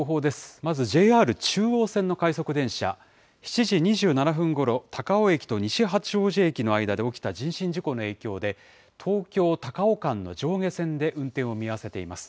まずＪＲ中央線の快速電車、７時２７分ごろ、高尾駅と西八王子駅の間で起きた人身事故の影響で、東京・高尾間の上下線で運転を見合わせています。